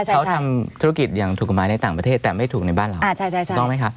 เขาทำธุรกิจอย่างถูกกฎหมายในต่างประเทศแต่ไม่ถูกในบ้านเราต้องไหมคะ